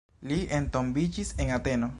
Li entombiĝis en Ateno.